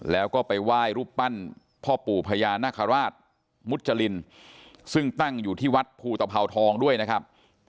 แล้วก็ไปไหว้รูปปั้นพ่อปู่พญานาคาราชมุจรินซึ่งตั้งอยู่ที่วัดภูตภาวทองด้วยนะครับ